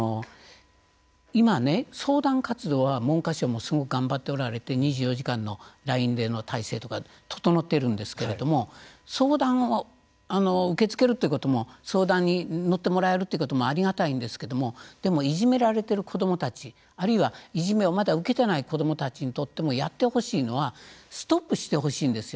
今、相談活動は、文部科学省もすごく頑張っておられて２４時間のＬＩＮＥでの体制とか整っているんですけれども相談を受け付けるということも相談に乗ってもらえるということもありがたいですがでもいじめられている子どもたちあるいは、いじめをまだ受けていない子どもたちにとってもやってほしいのはストップしてほしいんですよ。